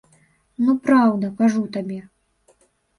Ну, праўда, кажу табе.